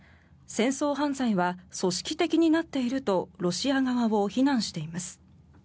戦争犯罪は組織的になっているとロシア側を非難しています。